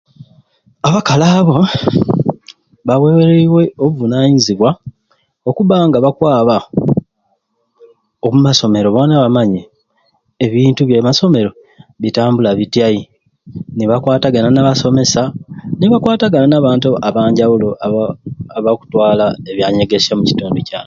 Abakali abo, bawereibwe obuvunanyizibwa okubba nga bakwaba okumasomeero bona bamanye ebintu byamasomeero bitambula bityai nibakwatagana nabasomeesa nibakwatagana nabantu aba abanjawulo abakutwala ebyanyegesya omukitundu kyange.